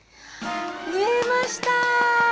縫えました！